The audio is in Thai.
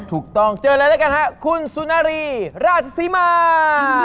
ถูกต้องเจออะไรแล้วกันฮะคุณสุนารีราชศรีมา